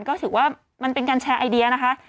ก็ถือว่ามันเป็นการแชร์ไอเดียนะคะ